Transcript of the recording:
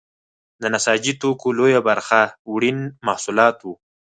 د نساجي توکو لویه برخه وړین محصولات وو.